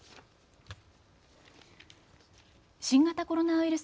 新型コロナウイルス